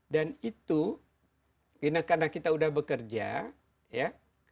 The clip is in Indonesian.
dan itu karena kita sudah bekerja ya